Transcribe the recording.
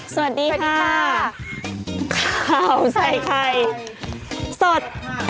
สวัสดีค่ะสวัสดีค่ะข่าวใส่ไข่สด